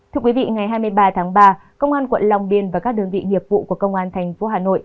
thưa quý vị ngày hai mươi ba tháng ba công an quận lòng điên và các đơn vị nghiệp vụ của công an tp hcm